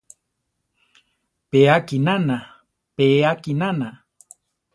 Pe akinana, pe akinana!